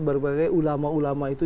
berbagai ulama ulama itu